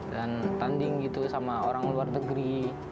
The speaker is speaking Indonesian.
dan tanding gitu sama orang luar negeri